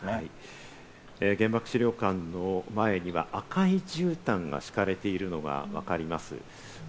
原爆資料館の前には赤いじゅうたんが敷かれているのがわかります。